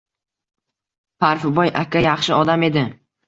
– “Parfiboy aka yaxshi odam edi.